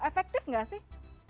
efektif nggak sih